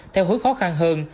theo hướng khó khăn hơn